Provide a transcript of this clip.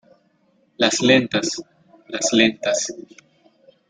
las lentas. las lentas .